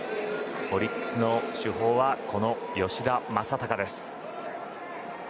オリックスの主砲は吉田正尚です。